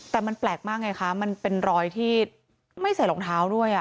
แต่มันแปลกมากไงคะมันเป็นรอยที่ไม่ใส่รองเท้าด้วย